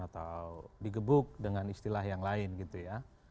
atau digebuk dengan istilah yang lain gitu ya